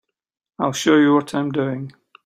I'll show you what I'm doing.